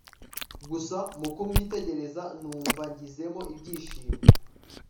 gusa mukumwitegereza numva ngizemo ibyishimo